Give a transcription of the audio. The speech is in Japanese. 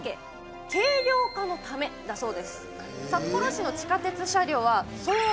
軽量化のためだそうです。